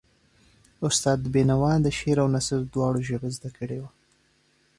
استاد بینوا د شعر او نثر دواړو ژبه زده کړې وه.